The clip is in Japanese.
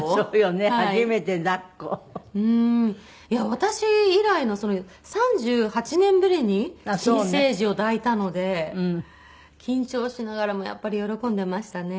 私以来の３８年ぶりに新生児を抱いたので緊張しながらもやっぱり喜んでましたね。